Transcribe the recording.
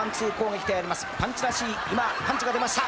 パンチらしい今パンチが出ました。